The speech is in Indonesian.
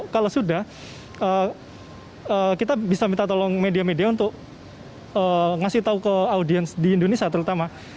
kalau sudah kita bisa minta tolong media media untuk ngasih tahu ke audiens di indonesia terutama